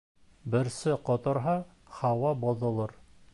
Бөрсә ҡоторһа, һауа боҙолор.